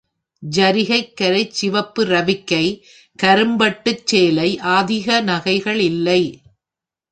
ஜரிகைக் கரைச் சிவப்பு ரவிக்கை, கரும்பட்டுச் சேலை, அதிக நகைகள் இல்லை.